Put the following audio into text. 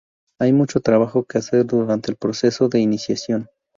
Hay mucho trabajo que hacer durante el proceso de iniciación.